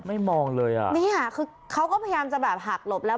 มองเลยอ่ะนี่ค่ะคือเขาก็พยายามจะแบบหักหลบแล้ว